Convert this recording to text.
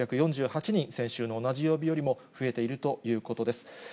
５６４８人、先週の同じ曜日よりも増えているということです。